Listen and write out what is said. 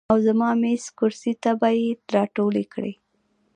او زما میز، کرسۍ ته به ئې راټولې کړې ـ